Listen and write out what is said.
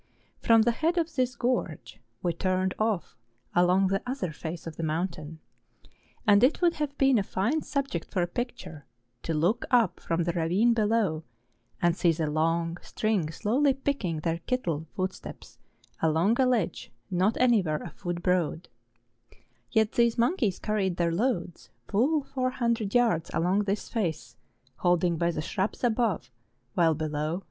From the head of this gorge we turned off along the other face of the mountain ; and it would have been a fine subject for a picture, to look up from the ravine below and see the long string slowly picking their kittle " footsteps along a ledge not anywhere a foot broad; yet these mon¬ keys carried their loads full four hundred yards along this face, holding by the shrubs above, while below PETER BOTTE.